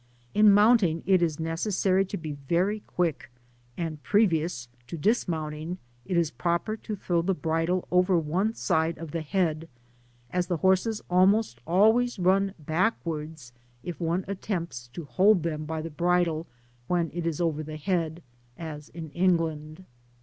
In mounting, it is ne cessary to be very quick, and previous to dismount ing, it is proper to throw the bridle over one side of the heady as the horses almost always run back wards if one attempts to hold them by the bridle when it is over the head, as in England.